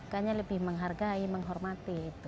mungkin lebih menghargai menghormati